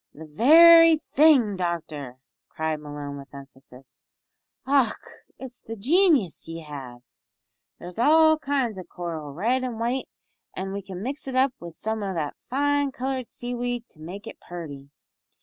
"The very thing, doctor," cried Malone, with emphasis, "och! it's the genius ye have! There's all kinds o' coral, red and white, an' we could mix it up wi' some o' that fine coloured seaweed to make it purty."